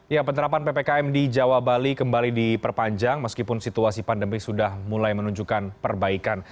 ya penerapan ppkm di jawa bali kembali diperpanjang meskipun situasi pandemi sudah mulai menunjukkan perbaikan